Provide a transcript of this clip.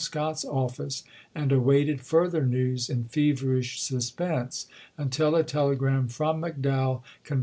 Scott's office, and awaited further news in feverish *'2i!'i86i.^ suspense, until a telegi*am from McDowell con II.